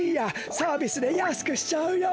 サービスでやすくしちゃうよ。